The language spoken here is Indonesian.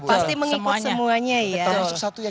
pasti mengikut semuanya ya